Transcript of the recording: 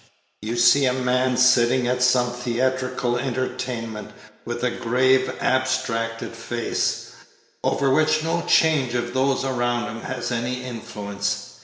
You see a man sitting at some theatrical entertainment with a grave, abstracted face, over which no change of those around him has any influence.